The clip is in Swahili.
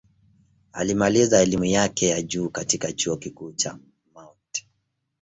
Alimaliza elimu yake ya juu katika Chuo Kikuu cha Mt.